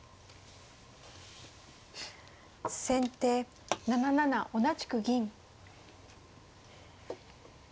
先手７七同じく銀。